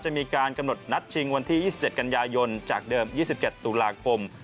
จะมีการกำหนดนัดชิงวันที่๒๗กันยายนจากเดิม๒๗ตุลาคม